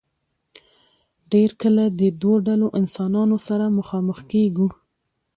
ډېر کله د دو ډلو انسانانو سره مخامخ کيږو